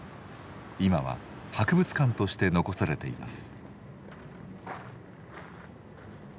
今は博物館として残されています。